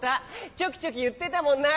チョキチョキいってたもんな。